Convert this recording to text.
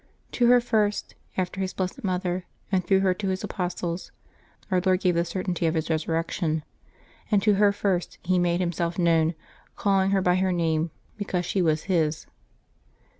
To her first, after His blessed Mother, and through her to His apostles, Our Lord gave the certainty of His res urrection ; and to her first He made Himself known, calling her by her name, because she was His.